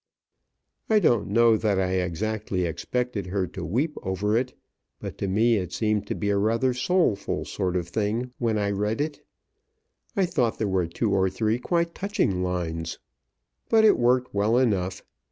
I don't know that I exactly expected her to weep over it, but to me it seemed to be a rather soulful sort of thing when I read it. I thought there were two or three quite touching lines. But it worked well enough.